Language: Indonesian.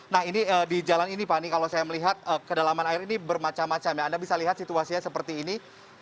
nah ini di jalan ini fani kalau saya melihat kedalaman air ini bermacam macam ya anda bisa lihat situasinya seperti ini